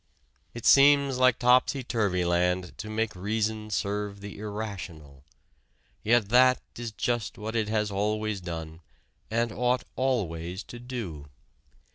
It seems like topsy turvyland to make reason serve the irrational. Yet that is just what it has always done, and ought always to do.